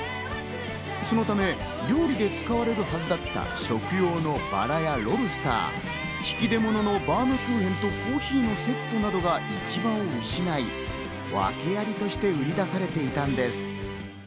そのため料理で使われるはずだった食用のバラやロブスター、引き出物のバームクーヘンとコーヒーのセットなどが行き場を失い、訳ありとして売り出されていたのです。